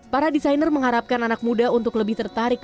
para desainer mengharapkan anak muda untuk lebih tertarik